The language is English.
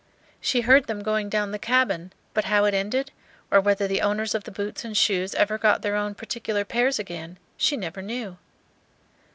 She heard them going down the cabin; but how it ended, or whether the owners of the boots and shoes ever got their own particular pairs again, she never knew.